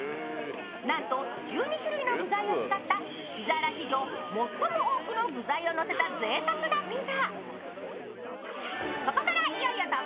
なんと１２種類の具材を使ったピザーラ史上最も多くの具材をのせた、ぜいたくなピザ。